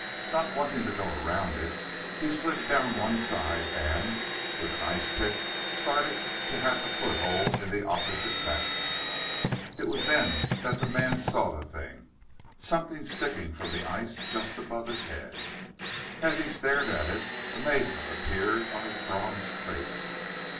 Not wanting to go around it, he slid down one side and, with an ice pick, started to hack a foothold in the opposite bank. It was then that the man saw the thing something sticking from the ice just above his head. As he stared at it, amazement appeared on his bronzed face.